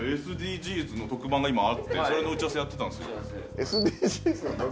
ＳＤＧｓの特番が今あってそれの打ち合わせやってたんですよ。